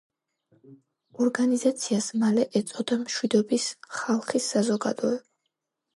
ორგანიზაციას მალე ეწოდა „მშვიდობის ხალხის საზოგადოება“.